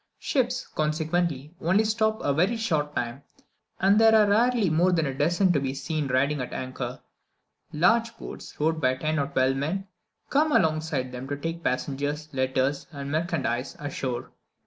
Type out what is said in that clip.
Ships, consequently, only stop a very short time, and there are rarely more than a dozen to be seen riding at anchor. Large boats, rowed by ten or twelve men, come alongside them to take the passengers, letters, and merchandise ashore.